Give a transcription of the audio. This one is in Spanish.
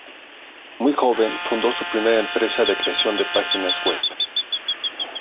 Muy joven fundó su primera empresa de creación de páginas web.